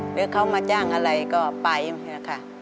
หรือเขามาจ้างอะไรก็ไปนะครับ